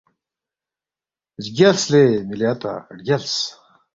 رگیالس لے مِلی اتا رگیالس